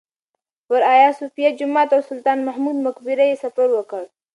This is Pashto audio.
پر ایا صوفیه جومات او سلطان محمود مقبره یې سفر وکړ.